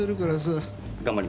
頑張ります。